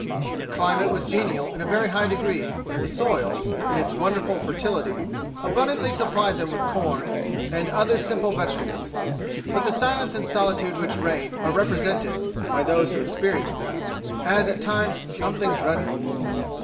The climate was genial in a very high degree, and the soil, in its wonderful fertility, abundantly supplied them with corn and other simple vegetables. But the silence and solitude which reigned are represented, by those who experienced them, as at times something dreadful.